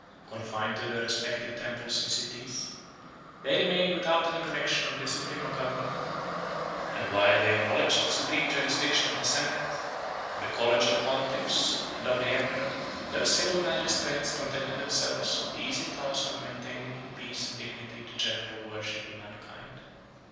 Confined to their respective temples and cities, they remained without any connection of discipline or government; and whilst they acknowledged the supreme jurisdiction of the senate, of the college of pontiffs, and of the emperor, those civil magistrates contented themselves with the easy task of maintaining in peace and dignity the general worship of mankind.